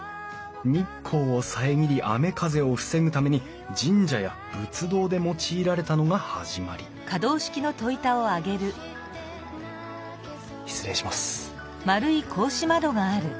日光を遮り雨風を防ぐために神社や仏堂で用いられたのが始まり失礼します。